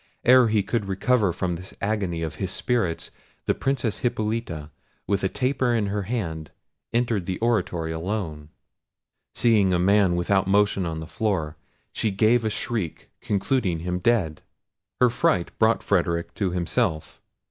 Ere he could recover from this agony of his spirits, the Princess Hippolita with a taper in her hand entered the oratory alone. Seeing a man without motion on the floor, she gave a shriek, concluding him dead. Her fright brought Frederic to himself.